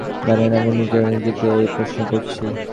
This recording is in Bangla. জানেন, আমি নিজেও নিজেকে এই প্রশ্ন করছি।